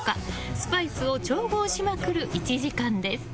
スパイスを調合しまくる１時間です。